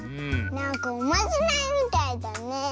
なんかおまじないみたいだね。